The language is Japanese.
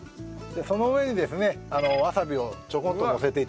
その上にですねわさびをちょこっとのせて頂いて。